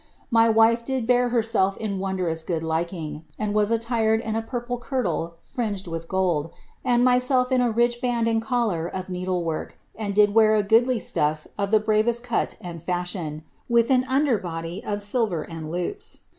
My wife did bear herself in wondrous good liking, and was ttred in a pur{^e kyrtle fringed with gM, and myself in a rich band id eoUar of needle work, and did wear a goodly stuff of the bravest ■I and fashion, with an under body of silver and loops.